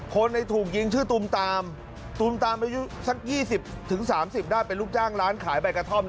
คนถูกยิงชื่อตูมตามตูมตามอายุสัก๒๐๓๐ได้เป็นลูกจ้างร้านขายใบกระท่อม